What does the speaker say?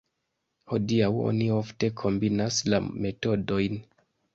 Hodiaŭ oni ofte kombinas la metodojn.